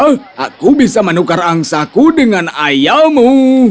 tentu saja aku bisa menukar angsaku dengan ayammu